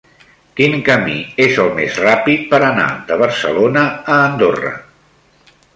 Quin camí és el més ràpid per anar de Barcelona a Andorra?